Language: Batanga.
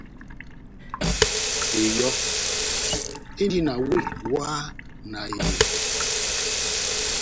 Eyɔ́ endi na wéh wáhá na ehevo.